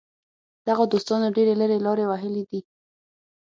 دغو دوستانو ډېرې لرې لارې وهلې دي.